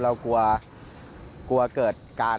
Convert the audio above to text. เรากลัวเกิดการ